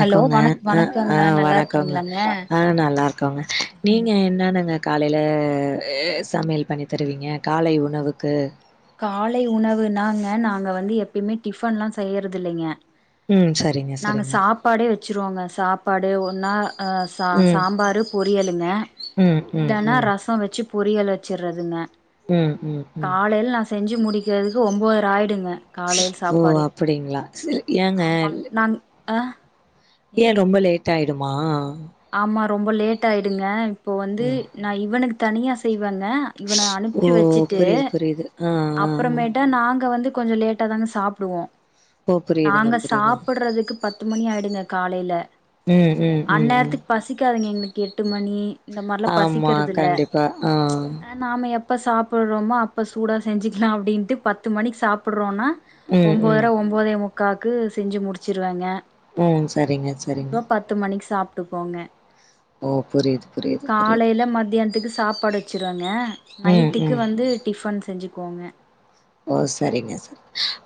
Hello வணக் அ ஆ வணக்கங்க நல்லா வணக்கோம் இருக்கீங்களாங்க ஆ நல்லா இருக்கோங்க நீங்க என்னனுங்க காலைல சமையல் பண்ணி தருவீங்க காலை உணவுக்கு காலை உணவுனாங்க நாங்க வந்து எப்பயுமே டிஃபன் ல்லா செய்யறது இல்லைங்க ம் சரிங்க நாங்க சரிங்க. சாப்பாடே வச்சிருவோங்க சாப்பாடு ஒன்னா அ சா ம். சாம்பார் பொரியலுங்க ம் ம் இல்லன்னா ம். ரசம் வச்சு பொரியல் வச்சறதுங்க ம் ம் ம். காலையில நா செஞ்சு முடிக்கிறதுக்கு ஒம்போதற ஆயிடுங்க காலையில் ஓ சாப்பாடு அப்படிங்களா? சில ஏங்க ஆமா நாங் அ ஏ ரொம்ப லேட் ஆயிடுமா ஆமா ரொம்ப லேட் ஆயிடுங்க இப்போ வந்து ம். நா இவனுக்கு தனியா செய்வேங்க இவன ஓ அனுப்பி வச்சி புரியுது புரியுது. ஆ ஆ ஆ. அப்றமேட்டா நாங்க வந்து கொஞ்சோ லே ட்டதாங்க சாப்டுவோ ஓ புரியுதுங்க நாங்க புரியுதுங்க. சாப்பட்றதுக்கு பத்து மணி ஆய்டுங்க காலையில ம் ம் ம் ம். அந்நேரத்துக்கு பசிக்காதுங்க எங்களுக்கு எட்டு மணி இந்த மாரிலா ஆமா பசிக்கரதில்ல கண்டிப்பா. ஆ. நாம எப்போ சாப்புட்றோமோ அப்போ சூடா செஞ்சுக்கலாம் அப்டின்ட்டு பத்து மணிக்கு சாப்புட்றோனா ம் ஒன்போதர ம். ஒன்பதே முக்காக்கு செஞ்சு முடிச்சிருவேங்க ம் சரிங்க சரிங்க த்து மணிக் சாப்ட்டுபோங்க ஓ புரியுது புரியுது புரியுது. காலேல மத்யான்துக்கு சாப்பாடு ச்சோருங்க ம் நைட்டுக்கு ம் வந்து டிஃபன் செஞ்சுக்கோங்க ஓ சரிங்க சர்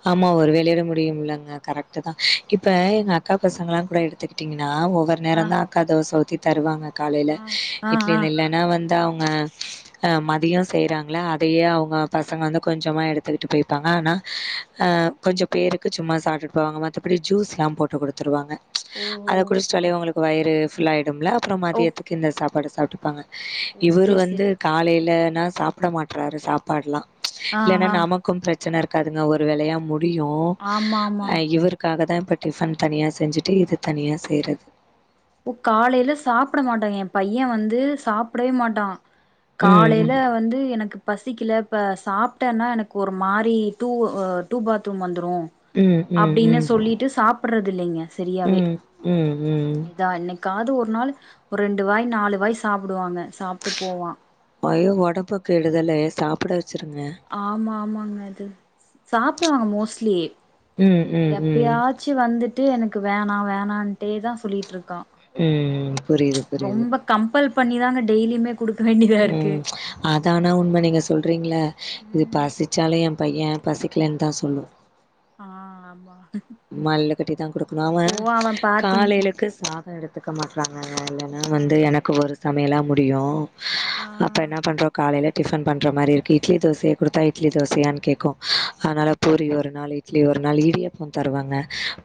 ஆமா ஒரு வேளையோட முடியும்லங்க கரெக்ட்டு தா இப்ப எங்க அக் கா பசங்களாங் கூட எத்துக்கிட்டிங்ன்னா ஒவ்வொரு ஆ நேரந்தா அக்கா தோச உத்தி தருவாங்க காலேல் ஆ ஆ ஆ இட்லின் நெல்ல நா வந்து அவங்க அ மதியோம் செய்றாங்கள அதையே அவங்க பசங்க வந்து கொஞ்சமா எடுத் துக்கிட்டு போய்பாங்க ஆனா அ கொஞ்ச பேருக்கு சும்மா சாப்ட்டுட்டு போவாங்க மத்தபடி ஜூஸ்லாம் போட்டு குடுத்துருவாங்க ஓ ஓ அத ஆ குடிச்ட்டாலே உங்களுக்கு வயுரு ஃபுல் ஆயிடும்ல அப்றோம் ஓ மதியத்துக்கு இந்த சாப்பாடு சாப்ட்டுப்பாங்க ஓ இவரு சேரி வந்து சேரி காலையிலனா சாப்ட மாட்றாரு சாப்பாடுல்லா ஆ இல்லன்னா ஆ நமக் கும் பிரச்சன இருக்காதுங்க ஒரு வேலையா முடியு ஆமா ஆமா அ இவருக் காக தா இப்போ டிஃபன் தனியாக செஞ்சுட்டு இது தனியா செய்றது ஓ காலேல சாப்ட மாட்டாய்ங்க எ பைய வந்து சாப்டயே மாட்டா ம் காலையில வந்து எனக்குப் பசிக்கல இப்போ சாப்ட்டேன்னா எனக்கு ஒரு மாரி டூ டூ பாத்ரூம் வந்துரு ம் ம் ம் அப்டின்னு ம் சொல்லிட்டு சாப்புட்றது இல்லைங்க செரியாவே ம் ம் இதா என்னைக்காது ஒரு நாள் ஒரு ரெண்டு வாய் நாலு வாய் சாப்புடுவாங்க சாப்ட்டு போவா அய்யோ உடம்புக் கெடுதலு சாப்புட வச்சுருங்க ஆமா ஆமாங்க அது சாப்டுவாங்க மோஸ்ட்லி ம் ம் ம் எப்பையாது ச்சு வந்துட்டு எனக்கு வேணா வேணான்ட்டே தா சொல்லிகிட்ருக்கா ம் ம் புரியுது புரியுது ரொம்ப கம்பல் பண்ணி தாங்க டெய்லியுமே குடுக்க வேண்டிய ம் அதானா உண்ம நீங்க சொல்றீங்கள இது ம் பசிச்சாலு எ பையே பசிக்கலேன்தா சொல்லு ஆ ஆமா மல்லு கட்டி தா குடுக்கணு அவே போவா அவ பாத்தீங் காலையிலக்கு சாதோ எடுத் துக்க மாட்றாங்கங்க இல்லேன்னா ஆ வந்து எனக்கு ஒரு சமையலா முடியு ஆ அப்ப என்ன பண்றோ காலையிலே டிஃபன் பண்ற மாரி இருக்கு இட்லி தோசைய குடுத்தா இட்லி தோசையானு கேக்கு அதுனால பூரி ஒரு நாளு இட்லி ஒரு நாளு இடியப்பம் தருவாங்க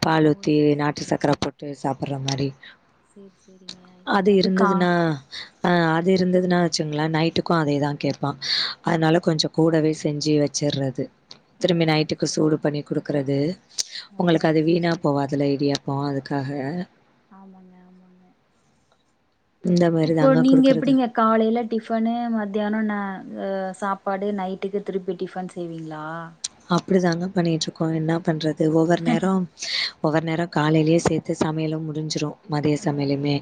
பால் ஓ ஊத்தி செரி நாட்டு செரிங்க சக்கர போட்டு சாப்புட்ற மாரி செரி செரிங்க இப்போ அது வந்து கா இருந்ததுன்னா அது இருந்ததுன்னா வச்சுங்களே நைட்டுக்கு அதே தா கேப்பா அதுனால கொஞ்ச கூடவே செஞ்சு வச் சர்றது திரும்பி ஓ செரி நைட்டுக்கு செரி சூடு பண்ணி குடுக்குறது ஓ உங்களுக்கு அது செரி வீணா செரி போவாதுல்ல இடியாப் போ அதுக்காக ஆமாங்க ஆமாங்க இந்த மாரி இப்போ தாங்க நீங்க குடுக்கறது. எப்டிங்க காலையில டிஃபனு மத்தியானோ ந அ சாப்பாடு நைட்டுக்கு திருப்பி டிஃபன் செய்வீங்ளா அப்புடி தாங்க பண்ணிகிட்ருக்கோ என்னா பண்றது ஒவ்வொரு நேரோ ஒவ்வொரு நேரோ காலையிலேயே சேத்து சமையலு முடிஞ்சுரு மதிய அதா அதா சமையலுமே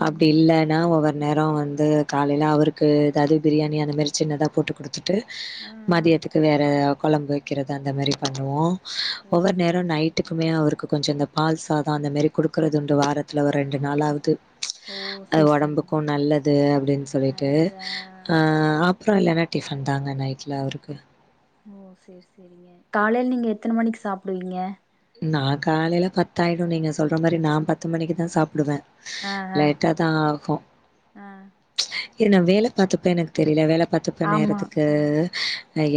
ம் அப்டி ம் இல்ல னா ஒவ்வொரு நேரோ வந்து காலையில அவருக்கு எதாவது பிரியாணி அந்த மாரி சின்னதா போட்டு குடுத் துட்டு ஆ ஆ மதியத்துக்கு வேற கொழம்பு வைக்கிறது அந்த மாரி பண்ணுவோ ஓ ஒவ்வொரு செரி நேரோ செரி நைட்டுக்கு க்குமே அவருக்கு கொஞ்ச இந்த பால் சாதோ அந்த மாரி குடுக்குறதுண்டு வாரத்துல ஒரு ரெண்டு நாளாவது ஓ அது செரி செரிங்க ஒடம்புக்கு நல்லது அப்டின் சொல்லிட்டு நல்லது ஆ அ அப் அப்றோ இல்லன்னா டிஃபன் தாங்க நைட்ல அவருக்கு காலையில நீங்க எத்தன மணிக்கு சாப்டுவீங்க நா காலையில பத்தாயிடு நீங்க சொல்ற மாரி நா பத்து மணிக்கு தா சாப்டுவே ஆ ஆ லேட்டா தா ஆகு ஆ ஏனா வேல பாத்துப்பே எனக் தெரியல வேல பாத்துப்பே ஆமா நேரத்துக்கு ஆ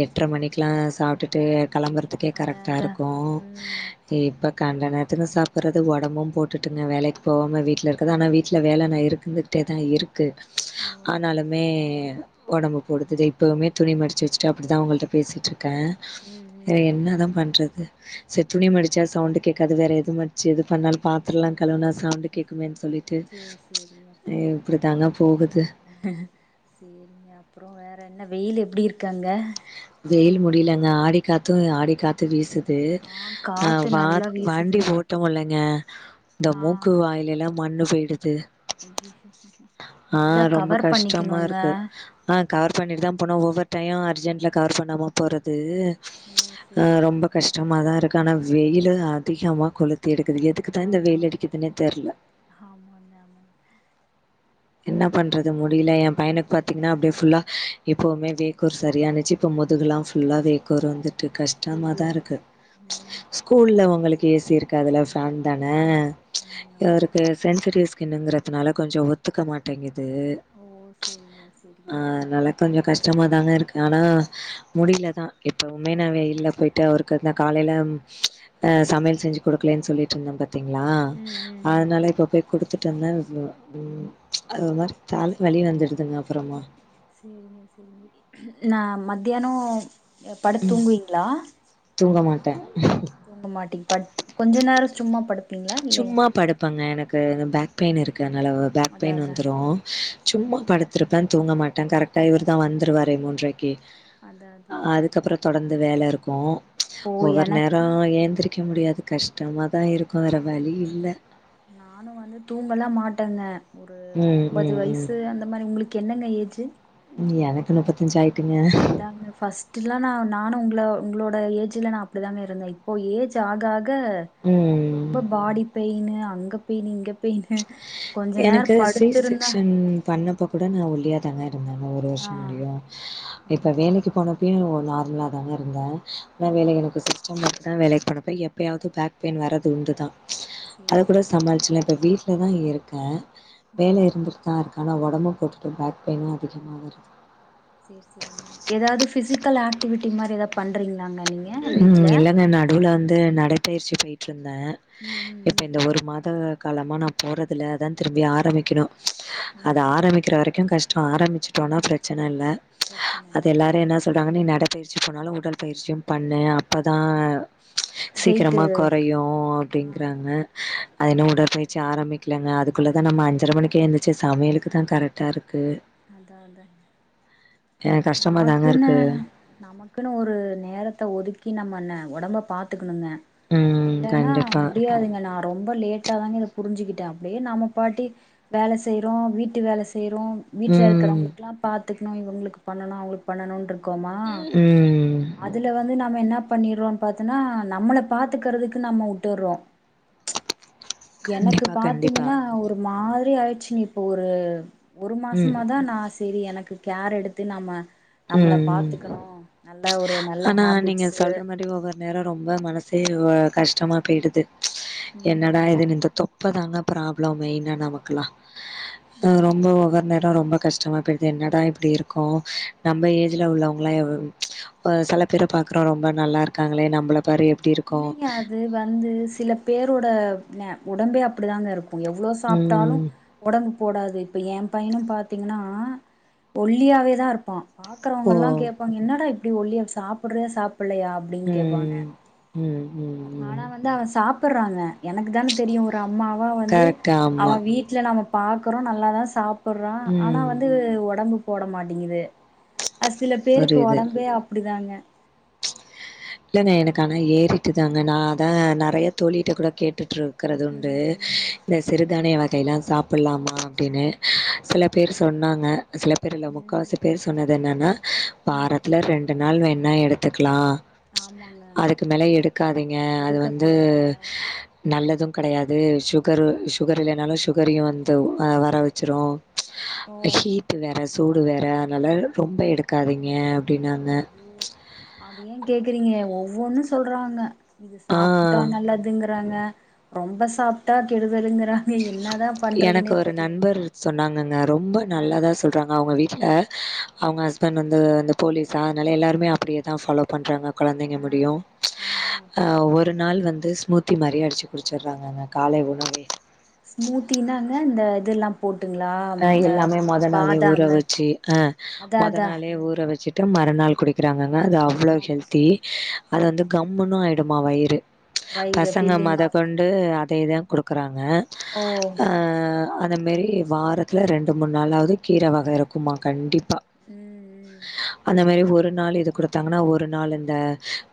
எட்ர மணிக்குலா சாப்டுட்டு கெளம்புறக் க்கே அதா கரெக்ட்டா அதா இருக்கு ம் இப்ப கண்ட நேரத்துக்கு சாப்புட்றது ஒடம்பு போட்டுட்டுங்க வேலைக்கு போகாம வீட்டல இருக்கற்து ஆனா வீட்ல வேலனா இருக்குது டேதா இருக்கு ஓ செரிங்க ஆனாலுமே ஒடம்பு போடுது தே இப்பவுமே துணி மடுச்சு வச்சுட்டு அப்புடிதா உங்கள்ட பேசிட்ருக்கே ம் ம் வேற என்ன தா பண்றது சரி துணி மடுச்சா சவுண்ட்டு கேக் கது வேற எது மரிச்சி எது பண்ணாலு பாத்தரோல்லா கழுவுனா சவுண்ட் கேட்குமேன்னு சொல்லிட்டு சேரி சேரிங்க சேரி இப்டிதாங்க போகுது சேரிங்க அப்பறோ வேற என்ன வெயில் எப்டி இருக்கு அங்க வெயில் முடியலங்க ஆடி காத்து ஆடி காத் து வீசுது ஆ அ காத்து வா நல்லா வண்டி வீசுதுங்க ஓட்டவு இல்லங்க இந்த ஆ மூக்கு வாயில எல்லா மண்ணு போயிடுது ஐயயோ ஆ நல்லா ரொம்ப கவர் கஷ்டமா பண்ணிக்கணுங்க இருக்கு ஆ கவர் பண்ணிட்டு தா போனோ ஒவ்வொரு டைம் அர்ஜெண்ட்ல கவர் பண்ணாம போறது ஓ செரி ஆ செரிங்க ரொம்ப கஷ்டமாதா இருக்கு ஆனா வெயில் அதிகமா கொளுத் தி எடுக்குது எதுக்குதா இந்த ஆமா வெயில் ஆமா அடிக்குதுன்னே தெர்ல ஆமாங்க ஆமாங்க என்ன பண்றது முடியல ஏ பையனுக் பாத்தீங்கன்னா அப்டியே ஃபுல்லா இப்பவுமே வேக்கூர் சரியானுச்சி இப்ப முதுகுலா ஃபுல்லா வேக்கூர் வந்து ட்டு கஷ்டமா ஐயயோ தா இருக்கு ம் ஸ்கூல்ல அவுங்களுக்கு ஏசி இருக்குதுல்ல ஃபேன் தான ஆமா ஆமாங்க ஆமா இவருக்கு சென்சிவ்ட்டிவ் ஸ்கின்ங்குறதுனால கொஞ்சோ ஒத் துக்க மாட்டேங்கிது ஓ செரிங்க ஆ செரிங்க அதனால கொஞ்சோ கஷ்டமா தாங்க இருக்கு ஆனா முடியலதா இப்பவுமே நா வெயில்ல போய் ட்டு அவருக்கு அந்த காலேல ஆ சமையல் செஞ்சி குடுக்கலேன்னு சொல்லிட்டுருந்தே பாத் தீங்களா ம் ம் ம் அதனால இப்ப போய் குடுத்துட்டு வந்தே ம் ம் அது ஒரு மாரி தல வலி வந்துடுதுங்க அப்பறமா சேரிங்க சேரிங்க நா மத்தியானோ படுத்து தூங்குவீங்ளா தூங்க மாட்டே தூங்க மாட்டிங்க படுத் கொஞ்ச நேரோ சும்மா படுத் சும்மா படுப்பேங்க எனக்கு இந்த பேக் பெயின் இருக்கு அதனால பேக் அதா பெயின் அதா வந்துரு சும்மா படுத்துருப்பே தூங்க மாட்டே கரெக்டா இவரு தா வந்துருவாறே மூன்ரைக்கி அதா அதாங்க அதுக்கப்றோ தொடர்ந்து வேல இருக்கு இப்போ ஒவ்வொரு நேரோ எனக்கு எந்திரி க்க முடியாது கஷ் ட்டமா தா இரு நானு நானு வந்து தூங்கல்லா மாட்டேங்க ஒரு ம் முப்பது ம் ம் வயசு அந்த மாரி உங்களுக்கு என்னங்க ஏஜு எனக்கு முப்பத்தஞ்சி ஆயிட்டுங்க அதாங்க ஃபர்ஸ்ட்டுல்லா நா நானு உங்கள உங்களோட ஏஜ்ல நா அப்டிதாங்க இருந்தே இப்போ ஏஜ் ஆக ஆக ம் ரொம்ப பாடி பெயினு அங்க பெயினு இங்க பெயினு கொஞ்ச நேர எனக்கு சி படுத்திருந்தா செக்க்ஷன் பண்ணப்போ கூட நா ஒல்லியாதாங்க இருந்தே ஆனா ஒரு ஆ வருஷோ முடியவு ஆ இப்ப வேலைக்கி போன ப்பயு நார்மலா தாங்க இருந்தே ஆனா ஓ வேல எனக்கு [unintelligible] வேலைக்கி போனப்போ எப்பயாவது பேக் பெயின் வர்றது உண்டுதா சேரி அத கூட சேரி சமாளிச்சிலா இப்ப வீட்லதா இருக்கே ஆ வேல இருந்துட்டுதா இருக் ஆனா ஒடம்பு போட்டுட்டே பேக் பெயினு அதிகமா வருது சேரி சேரிங்க எதாவது ஃபிசிக்கல் ஆக்டிவிட்டி மாரி ஏதா பண்றீங்களாங்க நீங்க ம் வீட்ல இல்லங்க நடுவுல வந்து நடைப்பயிற்சி போயிட்டு இருந்தே ம் இப்ப ம் இந்த ஒரு மாத காலமா நா போறதுல்ல அதா திரும்பி ஆரம்பிக்கணு ம் அது ம் ஆரம்பிக்கிற வரைக்கு கஷ்டோ ஆரம்பிச்சிட்டோன்னா பிரச்சன இல்ல அது பிரச்சனல்ல எல்லாரு என்ன சொல்றாங்க நீ நடைப்பயிற்சி போனாலு உடல் பயிற்சியு பண்ணு அப்பதா வெயிட்டு சீக்ரமா கொறையு ஆ அப்டிங்கறாங்க அதுன்னு ஆமா உடற்பயிற்சி ஆரம்பிக் இல்லங்க அதுக்குள்ளா தா நம்ம அஞ்சர மணிக்கு ஏந்திரிச்சி சமயலுக்கு தா கரெக்டா இருக்கு அதா அதா எனக்கு கஷ்டமா தாங்க நமக்குன்னு இருக்கு. நமக்குன்னு ஒரு நேரத்த ஒதுக்கி நம்ம ந ஒடம்ப பாத்துக்கணுங்க ம். இல்லன்னேனா கண்டிப்பா. முடியாதுங்க நா ரொம்ப லேட்டாதாங்க இத புரிஞ்சிக்கிட்ட அப்டியே நாம பாட்டி வேல செய்றோ வீட்டு வேல செய்றோ வீட்ல ம். இருக்கிறவங்களுக்குல்லா பாத்துக்கனோ இவங்களுக்கு பண்ணனோ அவுங்ளுக்கு பண்ணனோ இருக்கோமா ம். அதுல வந்து நம்ம என்ன பண்ணிறோ பாத்தன்னா நம்மளப் பாத்துக்கறதுக்கு நம்ம உட்டுறோ எனக்கு கண்டிப்பா கண்டிப்பா பாத்தீங்கன்னா ஒரு மாரி ஆயிடுச்சுங்க இப்போ ஒரு ஒரு ம் மாசமா தா நா ச சேரி எனக்கு கேர் எடுத்து நாம நம்மள ம் ம் பாத்துக்கனோ நல்லா ஒரு நல்ல ஹேபிட்ஸு அ நேரோ ரொம்ப மனசே இ உ கஷ்டமா போயிடுது ம் என்னடா இதுன்னு இந்த தொப் இப்பதாங்க ப்ராப்ளம் மேய்னா நமக்கேல்லா ம் ரெம்பா வர் ந ட்டா ரொம்ப கஷ்டமா போயிடுது என்னடா இப்படி இருக்கோ நம்ம ஏஜ்ல உள்ளவங்களா எவ்வளவு சில பேரா பாக்குறோ ரொம்ப நல்லா இருக்காங்களே நம்பள பாரு எப்டி இருக்கு வந்து வந்து சில பேரோட ந உடம்பே அப்டிதாங்க இருக்கு எவ்வளவு சாப்பிட்டாலு ம் உடம்பு போடாது இப்போ எ பையனா பாத்தீங்கன்னா ஒல்லியாவே தா இருப்பா பாக்கிறவங்க ஓ எல்லா கேப்பாங்க என்னடா இப்படி ஒல்லிய சாப்புடுறியா சாப்படலையா ம் ம் ம் ஆனா ம் வந்து அவ சாப்பிடுறானே எனக்கு தானோ தெரியு ஒரு அம்மாவா வந்து கரெக்ட் அவ ஆமா வீட் வீட்ல நம்ம பாக்குறோ நல்லாத சாப்படுறா ஆனா ம் வந்து வந்து உடம்பு போட மாட்டேங்குது அது சில பேருக்கு புரியுது உடம்பே அப்டிதாங்க இல்லேங்க எனக்கு ஆனா ஏறிட்டு தாங்க நா அதா நெறய தோழிட்ட கூட கேட்டுட்டு இருக்கிறது உண்டு ம் இந்த சிறுதானிய வகையல்லா சாப்பிடலாமா அப்டின்னு சில பேர் சோன்னாங்க சில பே பலபேர் இல்லை ம் முக்காவாசி பேர் சொன்னது என்னன்னா ம் வாரத்தில் ரெண்டு நாள் வேண்ணா எடுத்துக்கலா ஆமாங்க அதுக்கு மேல எடுக்காதீங்க அது எடுக்க வந்து கூடாதா நல்லது கிடையாது சுகரு சுகர் இல்லேனாலு சுகரையு வர வச்சுறு ஓ ஹீட் வேற சூடு வேற நல்ல ரொம்ப எடுக்காதீங்க அப்டினாங்க அத ஏன் கேக்குறீங்க ஒவ்வொன்னு சொல்றாங்க சாப்பிட்டா ஆ. நல்லதுங்கிறாங்க ரொம்ப சாப்பிட்டா கெடுதல்கிறங்க எனக்கு ஒரு நண்பர் சொன்னாங்கங்க ரொம்ப ஆ நல்லாதா சொல்றாங்க அவுங்க வீட்டில் அவுங்க ஹஸ்பண்ட் வந்து போலீஸா அதனால எல்லாருமே அப்டியே தான ஃபாலோ பண்ணறாங்க கொலழந்தைங்க ஆ முடியு ஆ ஆ ஒரு ஒரு நாள் வந்து ஸ்மூத்தி மாரியே அடிச்சு குடிச்சிடுறாங்க கா காலே உணவே ஸ்மூத்தினா என்ன இந்த இததுல்லா போட்டுங்களா அ இந்த எல்லாமே மொதனாளே ஊற பாதாமு வச்சு ஆ அதா அதா மொதனாளே ஊற வச்சு க மறுநாள் குடிக்கிறாங்கங்க அது அவ்வளோ ஆ ஹெல்த்தி அது வந்து கம்முன்னு ஆயிடுமா வயிறு வயிறு பசங்க மோத ஃபில்லிங்கா கொண் இருக்கு ‌வந்து அதேதா கொடுக்குறாங்க ஓ செரி செரி அதே மாரி வாரத் வாரத்துல ரெண்டு மூணு நாளாவது கீரா வகை இருக்குமா கண்டிப்பா ம் அந்த மாரி ஒரு ஒரு நாள் இது கொடுத்தாங்கன்னா ஒரு நாள் இந்த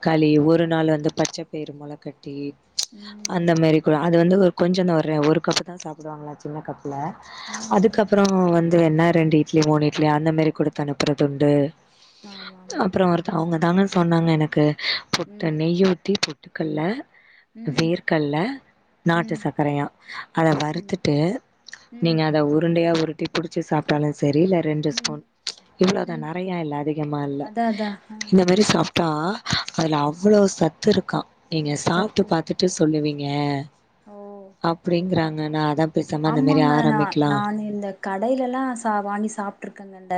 களி ஒரு நாள் வந்து பச்சைப்பயிர் மொள கட்டி கட்டி ம் அந்த மாரி கூட அது வந்து ஒரு கொஞ்சோந்தா ஒரு ஒரு கப்புதா சாப்டுவாங்களா சின்ன கப்புல ம் ம் ம் அதுக்கப்புறோ வந்து என்ன ரெண்டு இட்லி மூணு இட்லி அந்த மாரி குடுத் அனுப்புறது உண்டு ஆமா ஆமா அப்பறோ ஒருத்த அவுங்க தாங்க சொன்னாங்க எனக்கு புட்டு ம் நெய்யூத்தி புட் ட்டுக்கல்ல ம் வேர்கல்ல நாட்டு ம் சக்கரையா அத ம் வறுத்துட்டு ம் நீங்க அத உருண்டையா உருட்டி புடுச்சு சாப்ட்டாலு சரி இல்ல ரெண்டு ம் ஸ்பூன் இவ்ளோதா ம் நெறையா இல்ல அதிகமா இல்ல அதா அதா ஆ இந்த மாரி சாப் பா அதுல அவ்ளோ சத்துருக்கா நீங்க சாப்ட்டு சத்து இருக்கு பாத்துட்டு சொல்லுவீங்க ஓ அப்டிங்றாங்க நா அத பேசாம இந்த மாரி ஆரமிக்கலா கடைலெல்லா ச வாங்கி சாப்ட்டுருக்கங்க இந்த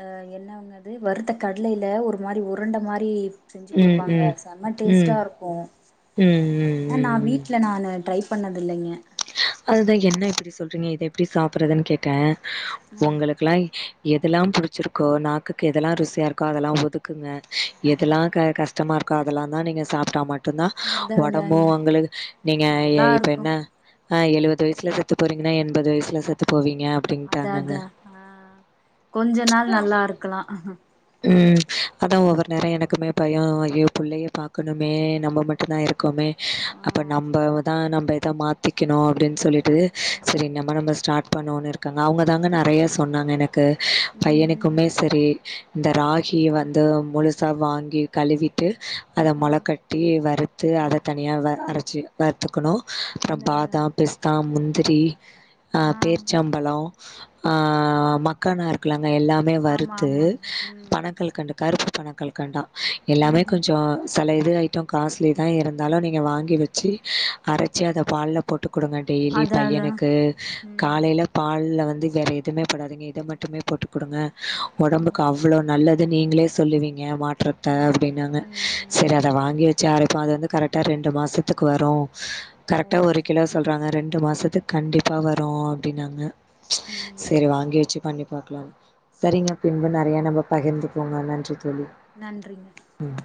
அ என்னவங்க அது வறுத்த கடலைல ஒரு மாரி உறுண்ட மாரி செஞ்சு ம் குடுப்பாங்க ம் செம டேஸ்டா ம் இருக்கு ம் ம் நானா ம் வீட்ல நானு ட்ரைப் பண்ணதில்லைங்க அதுதா என்ன இப்டி சொல்றீங்க இத எப்டி சாப்புறதுன் கேட்டே ஆ உங்களுக்லா எதுலா புடிச்சிருக்கோ நாக்குக்கு எதெல்லா ருசியா இருக்கோ அதெல்லா ஒதுக்குங்க எதெல்லா க கஷ் ஷ்டமா இருக்கோ அதெல்லாந்தா நீங்க சாப்ட்டா மட்டுந்தா அதா ஒடம்பு அதாங்க உங்களுகு நீங்க எ நல்லா இப்ப இருக்கு என்ன ஆ எழுவது வயசுல செத்து போறீங்ன்னா எண்பது வயசுல செத்து போவீங்க அத அப்டின்ட்டாங்கங்க அதா ஆ கொஞ்ச நாள் நல்லா இருக்கலா ம் அதா ஒவ்வொரு நேரோ எனக்குமே பயோ ஐயோ புள்ளையே பாக்கணுமே நம்ம மட்டுந்தா இருக்கோமே ஆ அப்ப நம்பவ்தா நம்ப த மாத்திக்கணு அப்டின் சொல்லிட்டு சரி நம்ம நம்ம ஸ்டார்ட் பண்ணோன்னு இருக்கங்க அவங்க தாங்க நெறைய சொன்னாங்க எனக் கு ம் ம் பையனுக்குமே சரி இந்த ராகி வந்து முழுசா வாங்கி கழுவிட்டு அத ஆ மொள கட்டி வறுத்து ஆ அத தனியா வ அரச்சு வறுத்துக்கணு அப்றோ அதா அதா பாதாம் பிஸ்தா முந்திரி அ ஆ பேர்ச்சாம்பழோ ஆ மக்கானா இருக்லங்க எல்லாமே ஆமா வறுத்து ஆமாங்க ம் பனக்கல்கண்டு கருப்பு பனகல்கண்டா எல்லாமே ம் ம் கொஞ்சோ செல இது ஐட்டோ காஸ்ட்லிதா இருந்தாலு நீங்க வாங்கி வச்சு அரச்சி அத பால்ல போட்டு குடுங்க டெய்லி அதா அதா பையனுக்கு ம் காலைல பால்ல வந்து வேற எதுவுமே போடாதிங்க இத மட்டுமே போட்டு குடுங்க ஒட் ம் கு அவ்ளோ நல்லது நீங்களே சொல்லுவீங்க மாற்றத்த ம் அப்டினாங்க ம் ம் சரி அ ம் த வாங்கி வச்சு அரப்போ அது வந்து கரெக்டா ரெண்டு மாசத்துக்கு வரு ஓ கரெக்டா ஒரு சரி கிலோ சரி சொல்றாங்க ரெண்டு மாசத்துக் கண்டிப்பா வரு அப்டின்னாங்க ம் சரி வாங்கி வச்சு பண்ணி பாக்கலாம் சரிங்க பின்பு ந றைய நம்ம பகிர்ந்துபோங்க நன்றி தோழி நன்றிங்க ம்